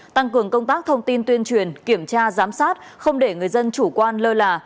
tăng cường công tác thông tin tuyên truyền kiểm tra giám sát không để người dân chủ quan lơ là